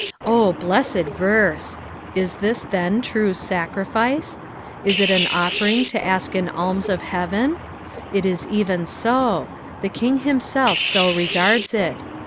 Oh, blessed verse ! Is this then true sacrifice ? Is it an offering to ask an alms of heaven ) It is even so. The King himself so regards it.